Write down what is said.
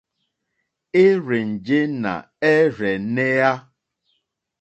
Érzènjé nà ɛ́rzɛ̀nɛ́á.